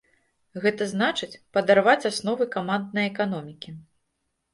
Гэта значыць, падарваць асновы каманднай эканомікі.